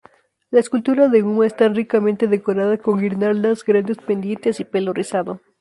La escultura de Uma esta ricamente decorada con guirnaldas, grandes pendientes y pelo rizado.